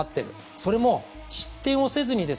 それも失点せずに。